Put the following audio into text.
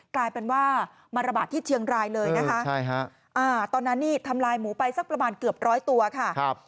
กลายเป็นว่ามาระบาดที่เชียงรายเลยนะคะตอนนั้นนี่ทำลายหมูไปสักประมาณเกือบร้อยตัวค่ะ